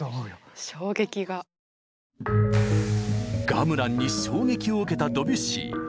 ガムランに衝撃を受けたドビュッシー。